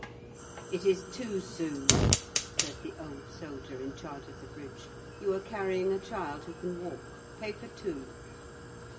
"It is two sous," said the old soldier in charge of the bridge. "You are carrying a child who can walk. Pay for two."